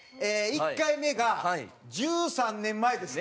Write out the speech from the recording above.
１回目が１３年前ですって。